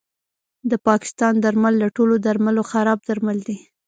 د پاکستان درمل له ټولو درملو خراب درمل دي